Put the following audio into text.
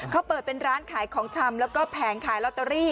เขาเปิดเป็นร้านขายของชำแล้วก็แผงขายลอตเตอรี่